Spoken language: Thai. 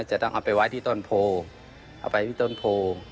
จะต้องเอาไปไว้ที่ต้นโพเอาไปที่ต้นโพ